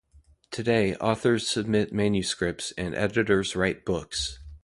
Today authors submit manuscripts and editors write books.